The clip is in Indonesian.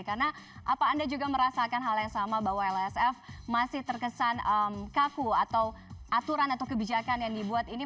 karena apa anda juga merasakan hal yang sama bahwa lsf masih terkesan kaku atau aturan atau kebijakan yang dibuat ini